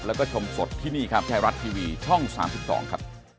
แล้วก็ชมสดที่นี่ครับไทยรัฐทีวีช่อง๓๒ครับ